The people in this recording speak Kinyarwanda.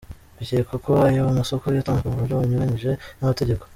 Bikekwa ko ayo masoko yatanzwe mu buryo bunyuranyije n’amategeko.